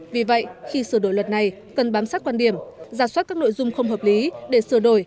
vì vậy khi sửa đổi luật này cần bám sát quan điểm giả soát các nội dung không hợp lý để sửa đổi